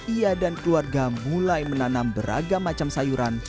ia dan keluarga mulai menanam beragam macam sayuran